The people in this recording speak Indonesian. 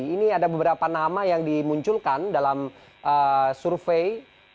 ini ada beberapa nama yang dimunculkan dalam survei